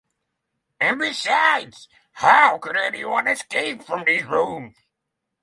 And besides, how could anyone escape from these rooms?